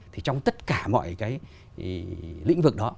thì trong tất cả mọi cái lĩnh vực đó